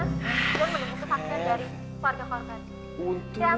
untuk menemukan kesakitan dari warga holgan